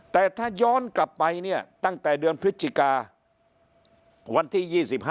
แต่ถ้าย้อนกลับไปตั้งแต่เดือนพรุทธิกาวันที่๒๕